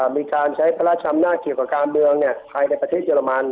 มีการใช้พระราชอำนาจเกี่ยวกับการเมืองภายในประเทศเยอรมัน